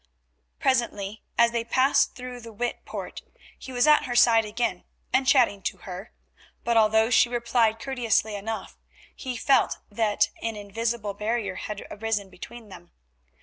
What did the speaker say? Presently as they passed through the Witte Poort, he was at her side again and chatting to her, but although she replied courteously enough, he felt that an invisible barrier had arisen between them.